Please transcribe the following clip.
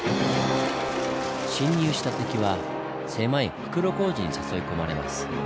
侵入した敵は狭い袋小路に誘い込まれます。